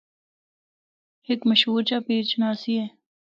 ہک مشہور جآ ’پیر چناسی‘ اے۔